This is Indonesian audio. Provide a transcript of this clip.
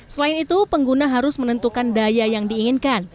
selain itu pengguna harus menentukan daya yang diinginkan